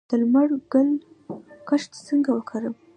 د لمر ګل کښت څنګه وکړم؟